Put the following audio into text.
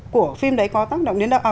của phim đấy có tác động đến đâu